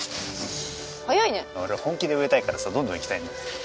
俺本気で植えたいからさどんどんいきたいんだよね。